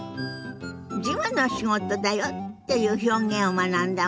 「事務の仕事だよ」っていう表現を学んだわね。